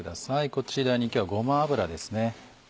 こちらに今日はごま油ですね。